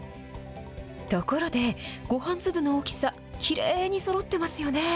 ところで、ごはん粒の大きさ、きれいにそろってますよね。